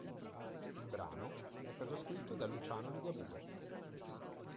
Il brano è stato scritto da Luciano Ligabue.